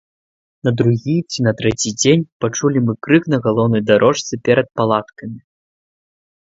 На другі ці на трэці дзень пачулі мы крык на галоўнай дарожцы перад палаткамі.